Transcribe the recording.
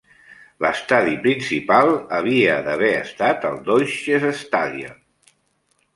L'estadi principal havia d'haver estat el Deutsches Stadion.